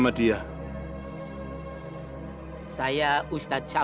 marbatan aisyah ya